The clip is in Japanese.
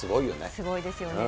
すごいですよね。